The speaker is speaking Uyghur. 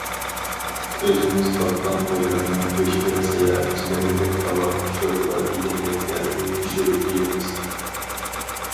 ئۆزىمىز باققان قويلارنىڭ گۆشىدە ساياھەتچىلەرگە كاۋاپ، شورپا دېگەندەكلەرنى پىشۇرۇپ بىرىمىز.